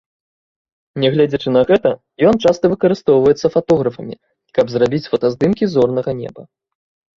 Нягледзячы на гэта, ён часта выкарыстоўваецца фатографамі, каб зрабіць фотаздымкі зорнага неба.